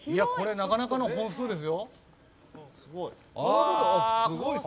なかなかの本数ですよ。